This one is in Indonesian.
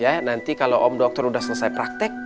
ya nanti kalau om dokter sudah selesai praktek